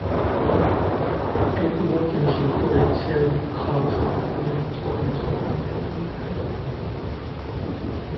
April Wilkens recorded Terry Carlton admitting to abusing and raping her.